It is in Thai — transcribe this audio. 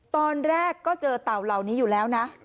ตอนแรกก็เจอเต่าเหล่านี้อยู่แล้วนะ